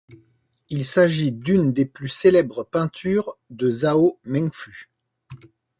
Il s'agit d'une des plus célèbres peintures de Zhao Mengfu.